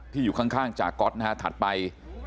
อยู่ข้างจากก๊อตนะฮะถัดไป